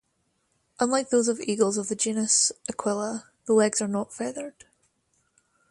Unlike those of eagles of the genus "Aquila", the legs are not feathered.